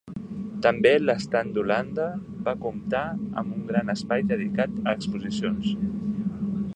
També l'estand d'Holanda va comptar amb un gran espai dedicat a exposicions.